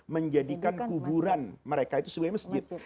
menjadikan kuburan mereka itu sebagai masjid